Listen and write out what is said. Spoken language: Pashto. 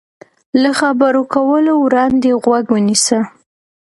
له خبرو کولو وړاندې غوږ ونیسه.